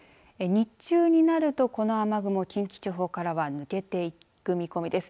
日中になると、この雨雲近畿地方から消えていく見込みです。